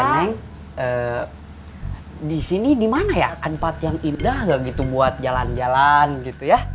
neng di sini di mana ya tempat yang indah nggak gitu buat jalan jalan gitu ya